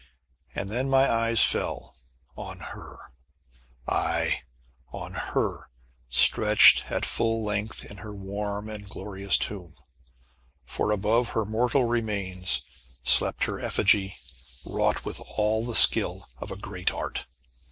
And then my eyes fell on her! Aye! On her, stretched at full length in her warm and glorious tomb. For above her mortal remains slept her effigy wrought with all the skill of a great art.